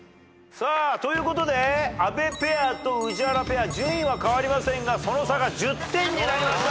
ということで阿部ペアと宇治原ペア順位は変わりませんがその差が１０点になりました。